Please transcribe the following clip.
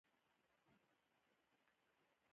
پښتو کې خواږه ټېکسټونه وليکئ!!